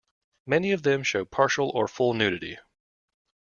Many of them show partial or full nudity.